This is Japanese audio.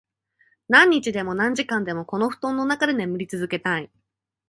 何日でも、何時間でも、この布団の中で眠り続けたい。